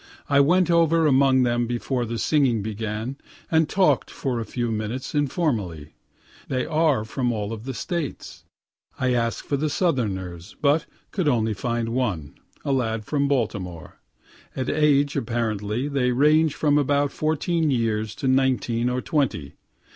I went over among them before the singing began, and talk'd a few minutes informally. They are from all the States; I asked for the Southerners, but could only find one, a lad from Baltimore. In age, apparently, they range from about fourteen years to nineteen or twenty.